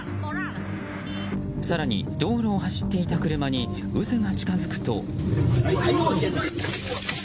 更に道路を走っていた車に渦が近づくと。